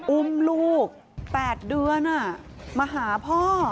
อุ้มลูก๘เดือนมาหาพ่อ